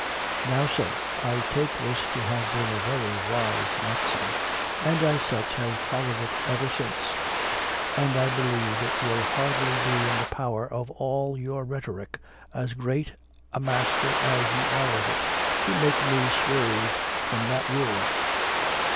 Now, sir, I take this to have been a very wise maxim, and as such have followed it ever since; and I believe it will hardly be in the power of all your rhetoric, as great a master as you are of it, to make me swerve from that rule."